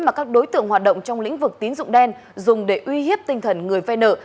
mà các đối tượng hoạt động trong lĩnh vực tín dụng đen dùng để uy hiếp tinh thần người vai nợ